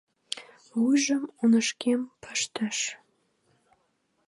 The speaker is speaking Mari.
Вуйжым оҥышкем пыштыш.